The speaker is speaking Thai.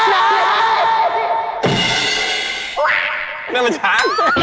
นั่นมันช้าง